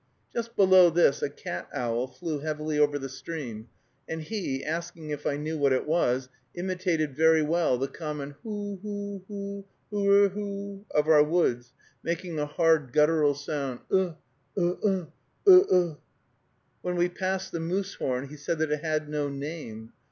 Just below this, a cat owl flew heavily over the stream, and he, asking if I knew what it was, imitated very well the common hoo, hoo, hoo, hoorer, hoo, of our woods; making a hard, guttural sound, "Ugh, ugh, ugh, ugh, ugh." When we passed the Moose horn, he said that it had no name.